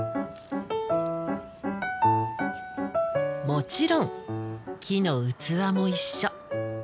もちろん木の器も一緒。